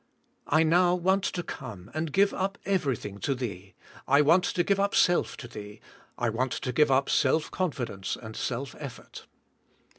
I now want to come and g ive up everything to Thee, I want to g ive up self to Thee, I want to g ive up self confidence and self effort.